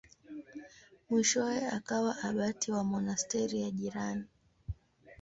Mwishowe akawa abati wa monasteri ya jirani.